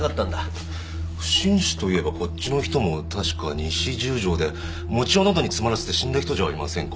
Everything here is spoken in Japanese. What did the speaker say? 不審死といえばこっちの人も確か西十条で餅をのどに詰まらせて死んだ人じゃありませんか？